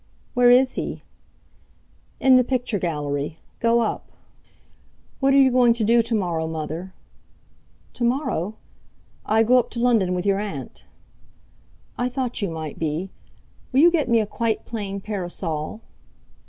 "Where is he?" "In the picture gallery. Go up!" "What are you going to do to morrow, Mother?" "To morrow? I go up to London with your aunt." "I thought you might be. Will you get me a quite plain parasol?"